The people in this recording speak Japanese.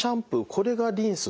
これがリンスと。